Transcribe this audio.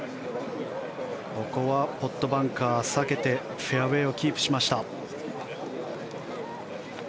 ここはポットバンカー避けてフェアウェーをキープしました。